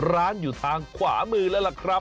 ร้านอยู่ทางขวามือแล้วล่ะครับ